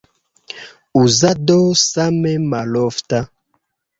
Uzado same malofta.